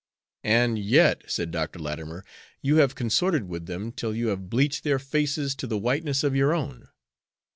"And yet," said Dr. Latimer, "you have consorted with them till you have bleached their faces to the whiteness of your own.